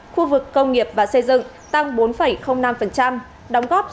khu vực công nghiệp và xây dựng tăng bốn năm đóng góp sáu mươi ba tám mươi